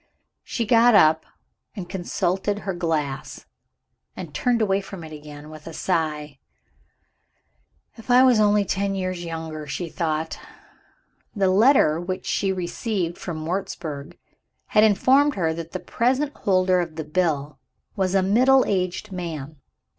She got up, and consulted her glass and turned away from it again, with a sigh. "If I was only ten years younger!" she thought. The letter which she received from Wurzburg had informed her that the present holder of the bill was "a middle aged man."